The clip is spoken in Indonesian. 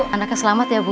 anaknya selamat ya bu